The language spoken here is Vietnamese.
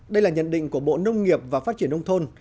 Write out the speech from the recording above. đây là nhận định của bộ nông nghiệp và phát triển nông thôn